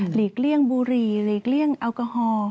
ลีกเลี่ยงบุรีหลีกเลี่ยงแอลกอฮอล์